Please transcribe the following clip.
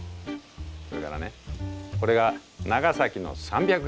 それからねこれが長崎の３００形。